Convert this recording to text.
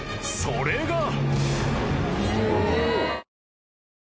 ［それが］